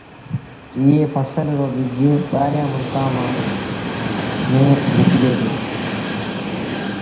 ايئي ڦسل رو ٻج ٻآهريآݩ ملڪآݩ ميݩ وڪجي دو۔